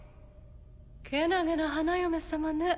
けなげな花嫁様ね。